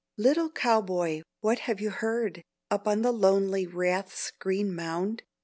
Little Cowboy, what have you heard, Up on the lonely rath's green mound?